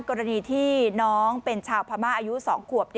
กรณีที่น้องเป็นชาวพม่าอายุ๒ขวบ